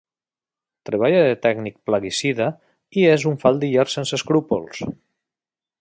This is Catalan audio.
Treballa de tècnic plaguicida i és un faldiller sense escrúpols.